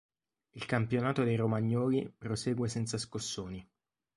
Il campionato dei romagnoli prosegue senza scossoni.